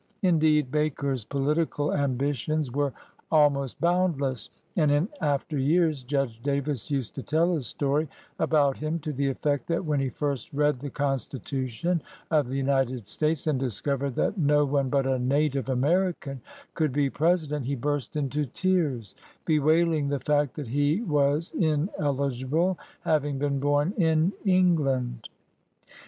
Indeed, Baker's political ambitions were almost boundless, and in after years Judge Davis used to tell a story about him to the effect that when he first read the Consti tution of the United States and discovered that no one but a native American could be President, lie burst into tears, bewailing the fact that he was ineligible, having been born in England.